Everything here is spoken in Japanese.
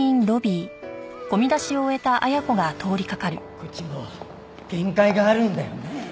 こっちも限界があるんだよね。